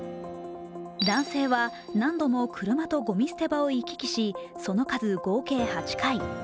男性は何度も車とごみ捨て場を行き来しその数、合計８回。